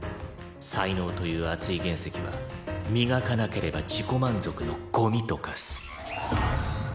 才能という熱い原石は磨かなければ自己満足のゴミと化す。